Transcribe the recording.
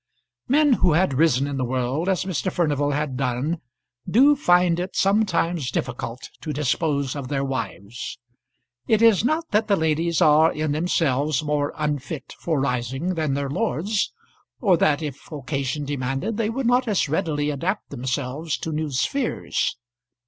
Men who had risen in the world as Mr. Furnival had done do find it sometimes difficult to dispose of their wives. It is not that the ladies are in themselves more unfit for rising than their lords, or that if occasion demanded they would not as readily adapt themselves to new spheres.